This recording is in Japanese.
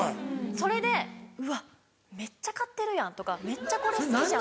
それで「うわめっちゃ買ってるやん」とか「めっちゃこれ好きじゃん」。